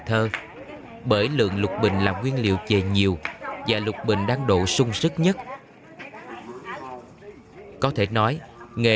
thơ bởi lượng lục bình là nguyên liệu dày nhiều và lục bình đang độ sung sức nhất có thể nói nghề